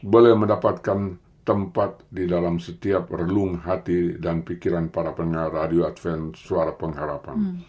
boleh mendapatkan tempat di dalam setiap relung hati dan pikiran para pengarah radio adven suara pengharapan